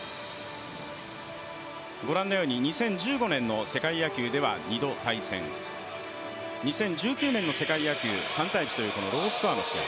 ご覧のように２０１５年の世界大会では２度対戦、２０１９年の世界野球、３−１というロースコアの試合。